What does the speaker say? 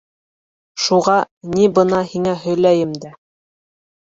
Шуға, ни, бына һиңә һөйләйем дә.